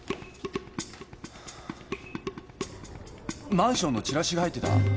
マンションのチラシが入ってた？